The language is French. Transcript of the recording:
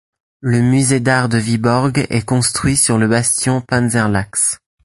Le musée d'art de Vyborg est construit sur le bastion Panzerlachs.